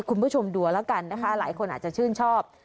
คุณผู้ชมดูแล้วกันนะคะหลายคนอาจจะชื่นชอบ